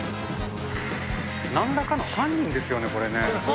なんらかの犯人ですよね、これね。